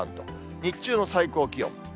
日中の最高気温。